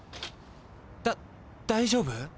だ大丈夫？